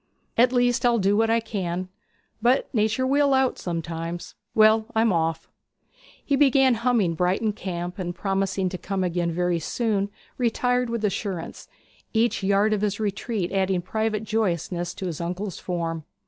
'At least I'll do what I can, but nature will out sometimes. Well, I'm off.' He began humming 'Brighton Camp,' and, promising to come again soon, retired with assurance, each yard of his retreat adding private joyousness to his uncle's form.